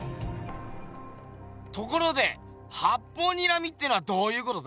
ところで八方睨みってのはどういうことだ？